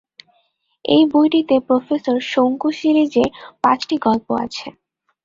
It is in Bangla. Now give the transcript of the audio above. এই বইটিতে প্রোফেসর শঙ্কু সিরিজের পাঁচটি গল্প আছে।